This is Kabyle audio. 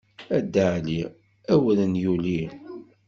A Dda Ɛli awren yuli.